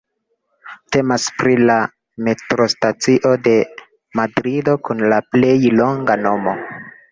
Temas pri la metrostacio de Madrido kun la plej longa nomo.